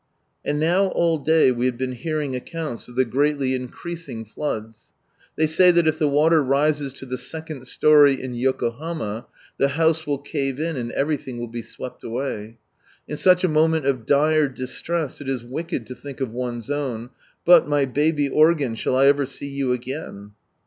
And now all day we have been hearing accounts of the greatly increasing floods. They say that if the water rises to the second storey in Yokobama, the house will cave in, and everything will be swept away. In such a moment of dire distress it is wicked lo think of one's own,— but, my baby organ, shall I ever see you again